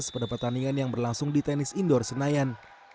pada pertandingan yang berlangsung di tenis indoor senayan